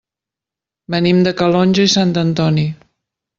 Venim de Calonge i Sant Antoni.